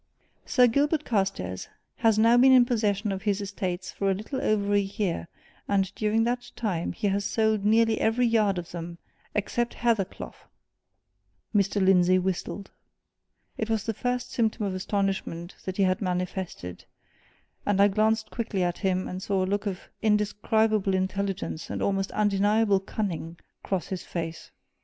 Sir Gilbert Carstairs has now been in possession of his estates for a little over a year, and during that time he has sold nearly every yard of them except Hathercleugh!" Mr. Lindsey whistled. It was the first symptom of astonishment that he had manifested, and I glanced quickly at him and saw a look of indescribable intelligence and almost undeniable cunning cross his face.